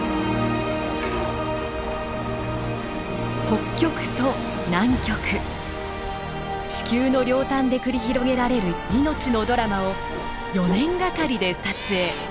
北極と南極地球の両端で繰り広げられる命のドラマを４年がかりで撮影。